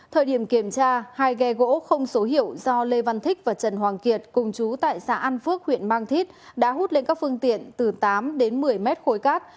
thời điểm kiểm tra hai ghe gỗ không số hiệu do lê văn thích và trần hoàng kiệt cùng chú tại xã an phước huyện mang thít đã hút lên các phương tiện từ tám đến một mươi mét khối cát